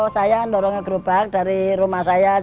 saya mendorong ke gerobak dari rumah saya